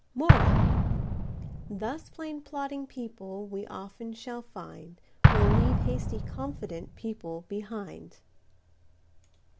MORAL. Thus plain plodding people, we often shall find, Will leave hasty confident people behind.